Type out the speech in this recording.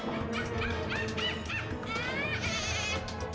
awas nanti berdang